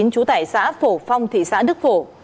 chú tải xã phổ phong thị xã đức phổ